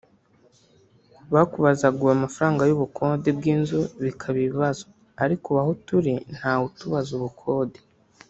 Bakubazaga amafaranga y’ubukode bw’inzu bikaba ibibazo ariko ubu aho turi ntawe utubaza ubukode